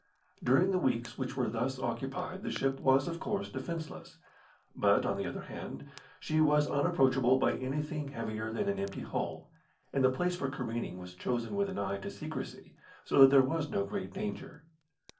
During the weeks which were thus occupied the ship was, of course, defenceless; but, on the other hand, she was unapproachable by anything heavier than an empty hull, and the place for careening was chosen with an eye to secrecy, so that there was no great danger.